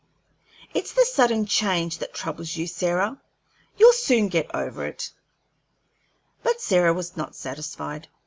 It's the sudden change that troubles you, Sarah; you'll soon get over it." But Sarah was not satisfied.